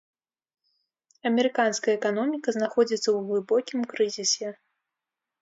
Амерыканская эканоміка знаходзіцца ў глыбокім крызісе.